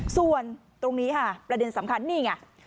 ส่วนตรงนี้ค่ะประเด็นสำคัญนี่ไง